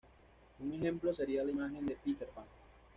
Un ejemplo sería la imagen de Peter Pan.